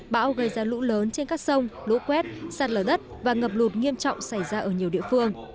bão gây ra lũ lớn trên các sông lũ quét sạt lở đất và ngập lụt nghiêm trọng xảy ra ở nhiều địa phương